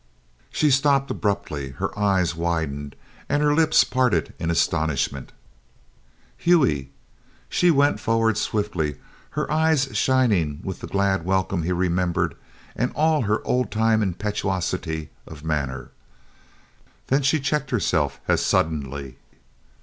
She stopped abruptly, her eyes widened and her lips parted in astonishment. "Hughie!" She went forward swiftly, her eyes shining with the glad welcome he remembered and all her old time impetuosity of manner. Then she checked herself as suddenly.